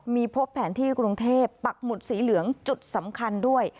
มีพบแผนที่กรุงเทพปักหมุดสีเหลืองจุดสำคัญด้วย